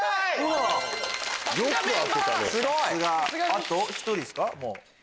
あと１人ですか。